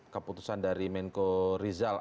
keputusan dari menko rizal